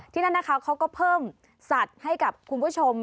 นั่นนะคะเขาก็เพิ่มสัตว์ให้กับคุณผู้ชม